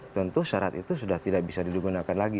tentu syarat itu sudah tidak bisa digunakan lagi